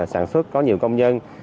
sản xuất có nhiều công nhân